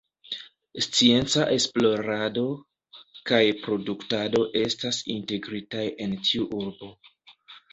Scienca esplorado kaj produktado estas integritaj en tiu urbo.